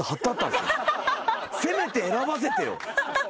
せめて選ばせてよ。